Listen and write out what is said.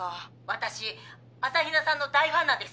私朝比奈さんの大ファンなんです！